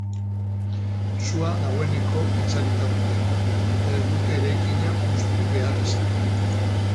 Sua dagoeneko itzalita dute, eta ez dute eraikina hustu behar izan.